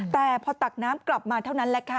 แต่พอตักน้ำกลับมาเท่านั้นแหละค่ะ